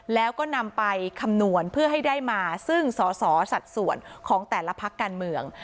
แล้วก็นำไปคำนวณเพื่อให้ได้มาซึ่งสอสอสัดส่วนของแต่ละพักการเมือง